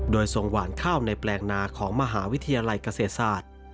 โดยส่งหวานข้าวในแปลงนาของมหาวิทยาลัยเกษตรศาสตร์